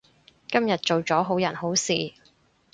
今日做咗好人好事